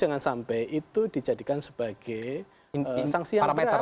jangan sampai itu dijadikan sebagai sangsi yang berat